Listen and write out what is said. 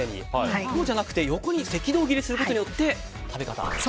そうじゃなくて横に赤道切りすることによって食べ方が。